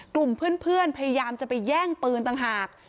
กลุ่มเพื่อนพยายามจะไปแย่งปืนต่างหาก